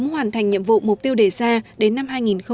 hoàn thành nhiệm vụ mục tiêu đề ra đến năm hai nghìn hai mươi